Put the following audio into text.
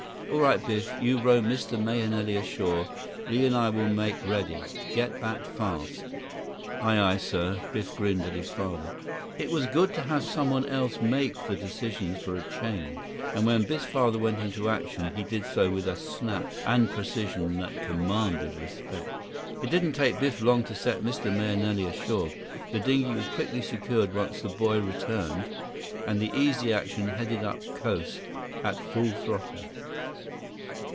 "All right. Biff, you row Mr. Mahenili ashore. Li and I will make ready. Get back fast." "Aye, aye, sir." Biff grinned at his father. It was good to have someone else make the decisions for a change. And when Biff's father went into action, he did so with a snap and precision that commanded respect. It didn't take Biff long to set Mr. Mahenili ashore. The dinghy was quickly secured once the boy returned, and the Easy Action headed up coast at full throttle.